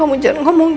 kamu jangan ngomongnya